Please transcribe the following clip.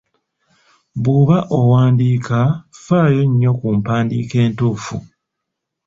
Bw'oba owandiika, faayo nnyo ku mpadiika entuufu.